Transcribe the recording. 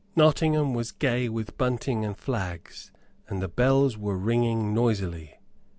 Nottingham was gay with bunting and flags, and the bells were ringing noisily.